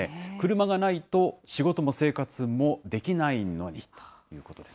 車がないと、仕事も生活もできないのにということです。